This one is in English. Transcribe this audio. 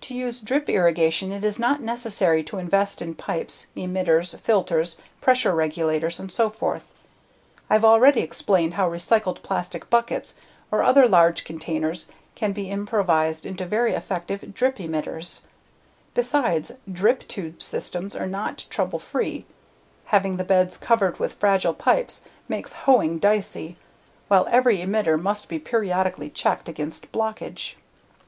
To use drip irrigation it is not necessary to invest in pipes, emitters, filters, pressure regulators, and so forth. I've already explained how recycled plastic buckets or other large containers can be improvised into very effective drip emitters. Besides, drip tube systems are not trouble free: having the beds covered with fragile pipes makes hoeing dicey, while every emitter must be periodically checked against blockage.